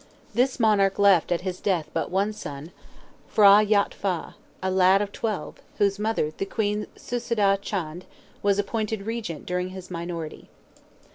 This monarch left at his death but one son, P'hra Yot Fa, a lad of twelve, whose mother, the Queen Sisudah Chand, was appointed regent during his minority.